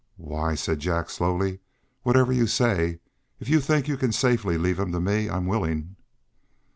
"Why " said Jack, slowly, "whatever you say. If you think you can safely leave him to me I'm willing."